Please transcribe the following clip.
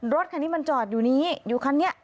รถคันนี้มันจอดอยู่นี้อยู่คันนี้